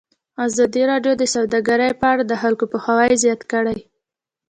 ازادي راډیو د سوداګري په اړه د خلکو پوهاوی زیات کړی.